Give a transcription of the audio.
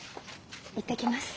行ってきます。